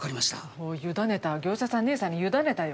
おぉ委ねた業者さん姉さんに委ねたよ。